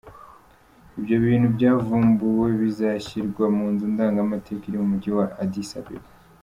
Ibyo bintu byavumbuwe bizashyirwa mu nzu ndangamateka iri mu mugi wa Addis Abeba.